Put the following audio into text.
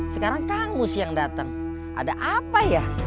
sekarang kang mus yang datang ada apa ya